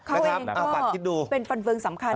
เขาเองก็เป็นฝันเวิงสำคัญ